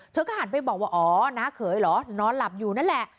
เธอก็หันไปบอกว่าอ๋อน้าเขยเหรอนอนหลับอยู่นั่นแหละ